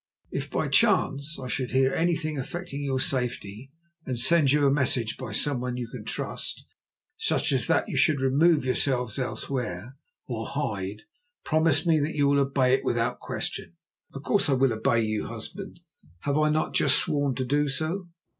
If by chance I should hear anything affecting your safety, and send you a message by someone you can trust, such as that you should remove yourselves elsewhere or hide, promise me that you will obey it without question." "Of course I will obey you, husband. Have I not just sworn to do so?"